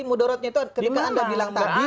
mudorotnya itu ketika anda bilang tadi